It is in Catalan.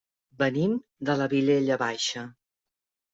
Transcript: Venim de la Vilella Baixa.